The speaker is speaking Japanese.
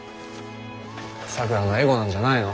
咲良のエゴなんじゃないの？